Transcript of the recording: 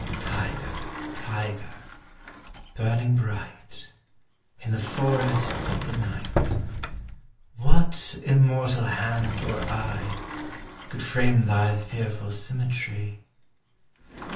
Tiger! Tiger! burning bright, In the forests of the night; What immortal hand or eye Could frame thv fearful svmmetrv?